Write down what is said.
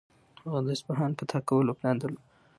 هغه د اصفهان فتح کولو پلان نه درلود.